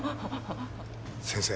先生。